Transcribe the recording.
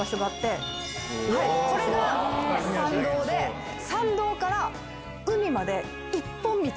これが参道で参道から海まで一本道